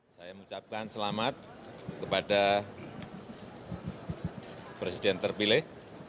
saya mengucapkan selamat kepada presiden terpilih